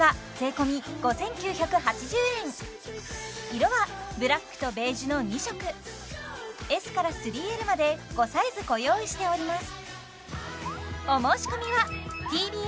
色はブラックとベージュの２色Ｓから３Ｌまで５サイズご用意しております